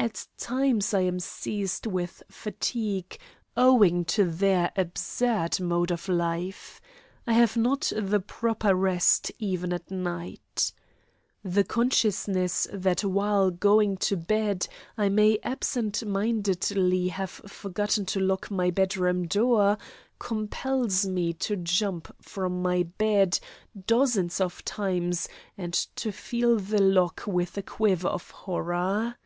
At times I am seized with fatigue owing to their absurd mode of life. I have not the proper rest even at night. The consciousness that while going to bed I may absent mindedly have forgotten to lock my bedroom door compels me to jump from my bed dozens of times and to feel the lock with a quiver of horror.